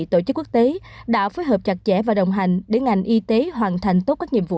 tổ chức quốc tế đã phối hợp chặt chẽ và đồng hành để ngành y tế hoàn thành tốt các nhiệm vụ